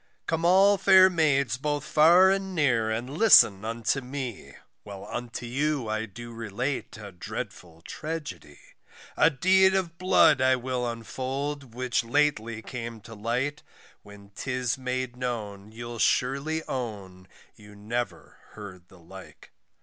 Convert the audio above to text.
Come all fair maids both far and near and listen unto me, While unto you I do relate a dreadful Tragedy, A deed of blood I will unfold which lately came to light, When 'tis made known, you'll surely own you never heard the like.